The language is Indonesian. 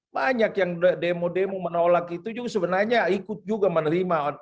banyak yang demo demo menolak itu juga sebenarnya ikut juga menerima